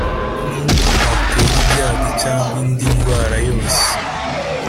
nubwo hatera ibyago cyangwa indi ndwara yose;